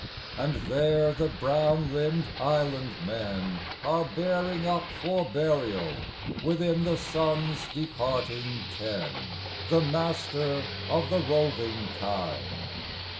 And there the brown limbed island men Are bearing up for burial, Within the sun's departing ken, The master of the roving kind.